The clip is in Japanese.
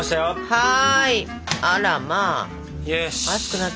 はい。